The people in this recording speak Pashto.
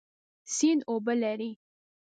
سیند اوبه لري.